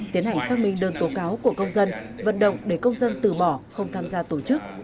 tiến hành xác minh đơn tố cáo của công dân vận động để công dân từ bỏ không tham gia tổ chức